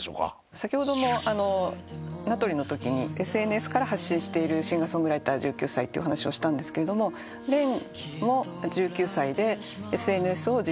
先ほどもなとりのときにＳＮＳから発信しているシンガー・ソングライター１９歳って話をしたんですけどれんも１９歳でＳＮＳを軸に活動してるアーティストになります。